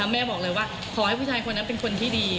แม่บอกเลยว่าขอให้ผู้ชายคนนั้นเป็นคนที่ดี